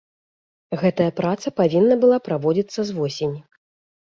Гэтая праца павінна была праводзіцца з восені.